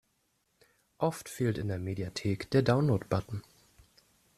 Oft fehlt in der Mediathek der Download-Button.